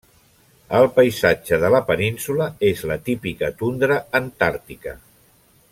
El paisatge de la península és la típica tundra Antàrtica.